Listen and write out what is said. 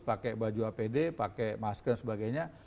pakai baju apd pakai masker dan sebagainya